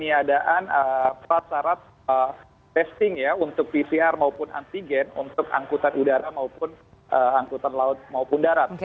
ini adaan prasarat testing ya untuk pcr maupun antigen untuk angkutan udara maupun angkutan laut maupun darat